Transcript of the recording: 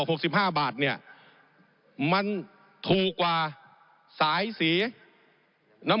ผมอภิปรายเรื่องการขยายสมภาษณ์รถไฟฟ้าสายสีเขียวนะครับ